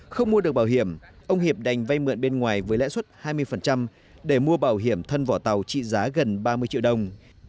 không mua được bảo hiểm ông hiệp đành vay mượn bên ngoài với lãi suất hai mươi để mua bảo hiểm thân vỏ tàu trị giá gần ba mươi triệu đồng